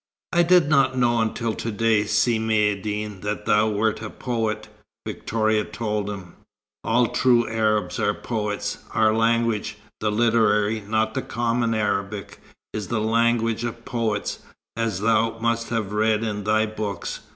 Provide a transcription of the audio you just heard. "I did not know until to day, Si Maïeddine, that thou wert a poet," Victoria told him. "All true Arabs are poets. Our language the literary, not the common Arabic is the language of poets, as thou must have read in thy books.